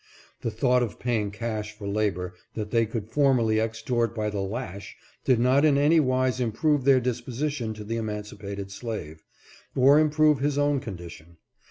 The thought of paying cash for labor that they could formerly extort by the lash did not in any wise improve their dis position to the emancipated slave, or improve his own condition.